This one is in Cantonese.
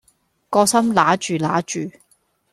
個心揦住揦住